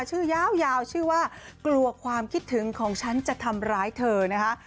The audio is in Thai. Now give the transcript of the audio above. ชื่อยาวชื่อว่ากลัวความคิดถึงของฉันจะทำร้ายเธอนะคะ